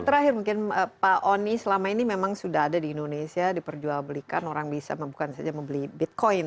terakhir mungkin pak oni selama ini memang sudah ada di indonesia diperjual belikan orang bisa bukan saja membeli bitcoin